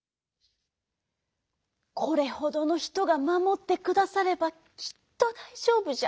「これほどのひとがまもってくださればきっとだいじょうぶじゃ」。